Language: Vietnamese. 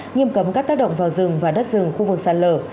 nghiêm cấm các tác động vào rừng và đất rừng khu vực sạt lở